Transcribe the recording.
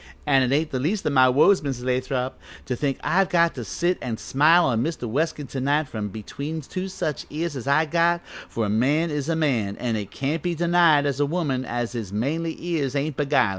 "An' it ain't the least o' my woes, Mrs. Lathrop, to think as I've got to sit an' smile on Mr. Weskin to night from between two such ears as I've got, for a man is a man, an' it can't be denied as a woman as is mainly ears ain't beguilin'.